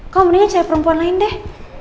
kamu mendingan cari perempuan lain deh